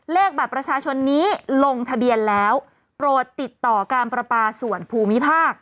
เลขบัตรประชาชนนี้ลงทะเบียนแล้วโปรดติดต่อการประปาส่วนภูมิภาค